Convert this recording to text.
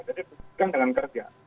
jadi berikan dengan kerja